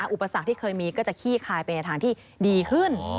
อุปสรรคที่เคยมีก็จะขี้คายไปในทางที่ดีขึ้น